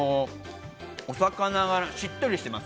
お魚がしっとりしています。